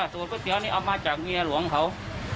สูตรก๋วยเตี๋ยวนี่เอามาจากเมียหลวงเขา